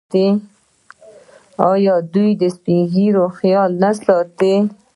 آیا دوی د سپین ږیرو خیال نه ساتي؟